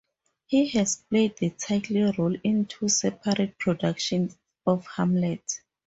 He has played the title role in two separate productions of Hamlet.